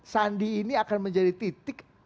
sandi ini akan menjadi titik